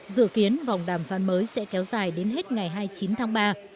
dự kiến vòng đàm phán mới sẽ kéo dài đến hết ngày hai mươi chín tháng ba